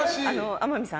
天海さん